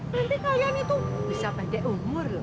nanti kalian itu bisa badai umur